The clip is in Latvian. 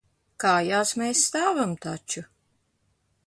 Kājās mēs stāvam taču.